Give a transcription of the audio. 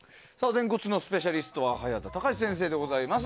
前屈のスペシャリストは早田孝司先生でございます。